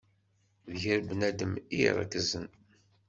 D yir bnadem i iṛekzen.